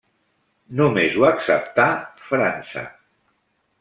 Només ho acceptà França.